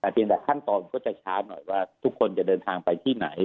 เพียงแต่ขั้นตอนก็จะช้าหน่อยว่าทุกคนจะเดินทางไปที่ไหน